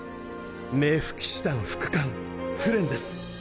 冥府騎士団副官フレンです。